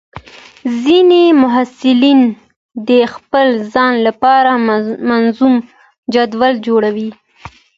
ځینې محصلین د خپل ځان لپاره منظم جدول جوړوي.